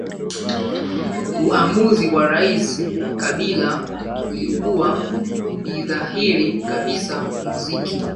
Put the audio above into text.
uamuzi wa rais kabila ulikuwa nidhahiri kabisa muziki